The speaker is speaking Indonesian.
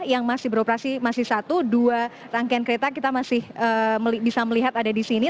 yang masih beroperasi masih satu dua rangkaian kereta kita masih bisa melihat ada di sini